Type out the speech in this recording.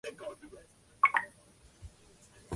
而后仓持直吉继承住吉一家二代目。